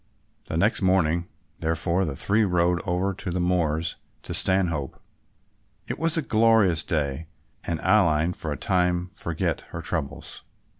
The next morning therefore, the three rode over the moors to Stanhope. It was a glorious day and Aline for a time forgot her troubles.